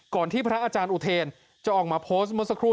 ที่พระอาจารย์อุเทนจะออกมาโพสต์เมื่อสักครู่